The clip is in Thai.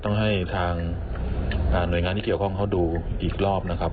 ต้องให้ทางหน่วยงานที่เกี่ยวข้องเขาดูอีกรอบนะครับ